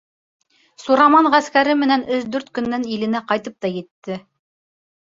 Сураман ғәскәре менән өс-дүрт көндән иленә ҡайтып та етте.